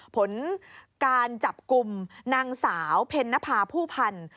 ผลการจับกลุ่มนางสาวเพ็ญนภาผู้พันธ์